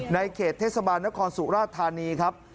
ในเขตเทศบาลนครสุราธานีครับ